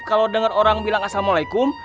kalo denger orang bilang assalamualaikum